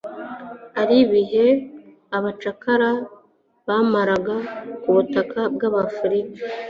aibihe abacakara bamaraga ku butaka bwa Afurika.